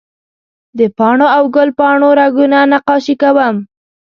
د پاڼو او ګل پاڼو رګونه نقاشي کوم